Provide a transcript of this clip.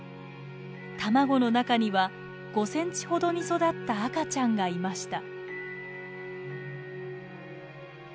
卵の中には５ｃｍほどに育った赤ちゃんがいました。